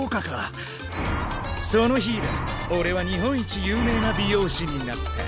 その日いらいおれは日本一有名な美容師になった。